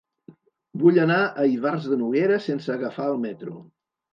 Vull anar a Ivars de Noguera sense agafar el metro.